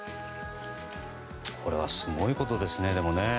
これはすごいことですね。